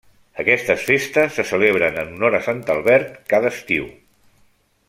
Aquestes festes se celebren en honor a Sant Albert, cada estiu.